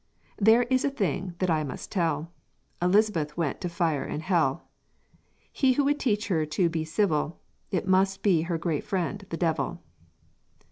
There is a thing that I must tell Elizabeth went to fire and hell! He who would teach her to be civil, It must be her great friend, the divil!"